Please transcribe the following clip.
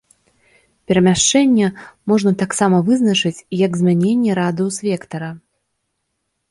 Перамяшчэнне можна таксама вызначыць як змяненне радыус-вектара.